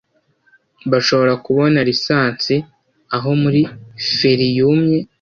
Bashobora kubona lisansi aho muri feri yumye